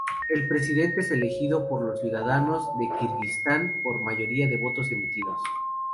El Presidente es elegido por los ciudadanos de Kirguistán, por mayoría de votos emitidos.